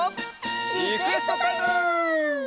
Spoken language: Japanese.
リクエストタイム！